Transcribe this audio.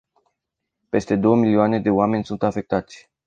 Peste două milioane de oameni sunt afectați.